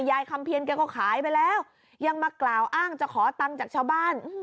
คำเพียรแกก็ขายไปแล้วยังมากล่าวอ้างจะขอตังค์จากชาวบ้าน